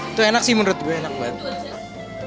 itu enak sih menurut gue enak banget